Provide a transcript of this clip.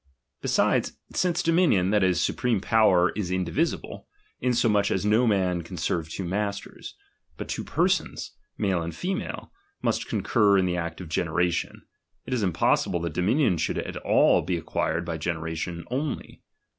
Besides, since dominion, that is, supreme "power is indivisible, insomuch as no man can serve two masters ; but two persons, male and female, must concur in the act of generation ; it is impossi ble that dominion should at all be acquired by generation only.